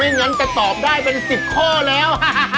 งั้นจะตอบได้เป็น๑๐ข้อแล้ว